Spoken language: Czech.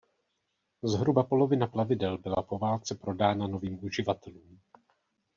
Zhruba polovina plavidel byla po válce prodána novým uživatelům.